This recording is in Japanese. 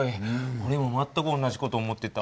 おれも全く同じ事を思ってた。